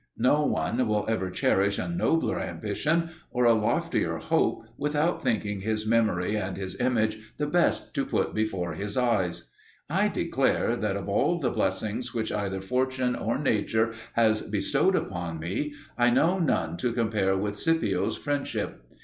No one will ever cherish a nobler ambition or a loftier hope without thinking his memory and his image the best to put before his eyes. I declare that of all the blessings which either fortune or nature has bestowed upon me I know none to compare with Scipio's friendship.